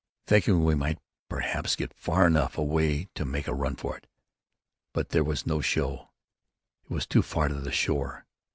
thinking we might perhaps get far enough away to make a run for it. But there was no show: It was too far to the shore.